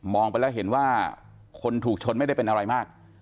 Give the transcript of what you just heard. ไปแล้วเห็นว่าคนถูกชนไม่ได้เป็นอะไรมาก